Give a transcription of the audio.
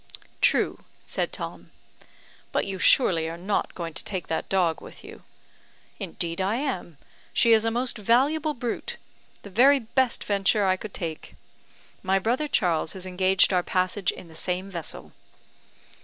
"True," said Tom. "But you surely are not going to take that dog with you?" "Indeed I am. She is a most valuable brute. The very best venture I could take. My brother Charles has engaged our passage in the same vessel."